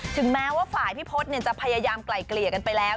ถึงแม้ว่าฝ่ายพี่พศจะพยายามไกล่เกลี่ยกันไปแล้ว